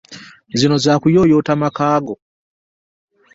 Zino za kuyooyoota makaago.